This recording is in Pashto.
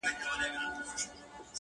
د دې خلګو قریبان دي او دوستان دي-